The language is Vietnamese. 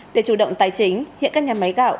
để chủ động tài chính hiện các nhà máy gạo